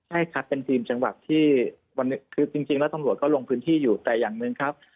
ใช่ครับเป็นทีมจังหวัดที่วันนี้คือจริงแล้วตำรวจก็ลงพื้นที่อยู่แต่อย่างหนึ่งครับ